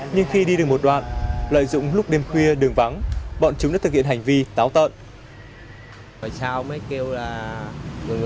nhưng khi đi được một đoạn lợi dụng lúc đêm khuya đường vắng bọn chúng đã thực hiện hành vi táo tợn